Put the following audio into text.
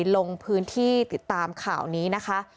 ลงพื้นที่ติดตามข่าวนี้นะคะ